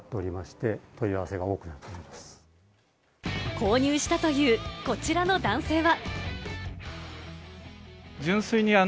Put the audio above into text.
購入したという、こちらの男性は。